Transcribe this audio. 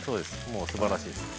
もうすばらしいです。